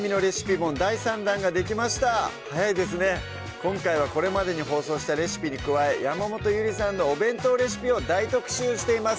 今回はこれまでに放送したレシピに加え山本ゆりさんのお弁当レシピを大特集しています